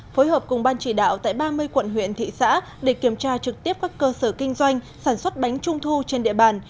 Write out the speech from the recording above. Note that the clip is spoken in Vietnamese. phối hợp cùng ban chỉ đạo tại ba mươi quận huyện thị xã để kiểm tra trực tiếp các cơ sở kinh doanh sản xuất bánh trung thu trên địa bàn